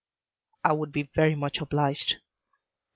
"I would be very much obliged."